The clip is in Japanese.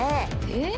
え？